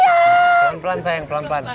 pelan pelan sayang pelan pelan